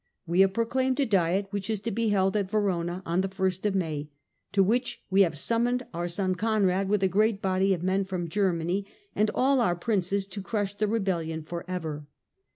We have proclaimed a Diet, which is to be held at Verona on the 1st of May, to which we have summoned our son Conrad with a great body of men from Germany, and all our Princes, to crush the rebellion for ever.